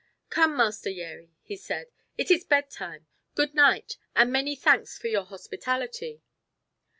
"Come, Master Yeri," he said, "it is bedtime. Good night, and many thanks for your hospitality."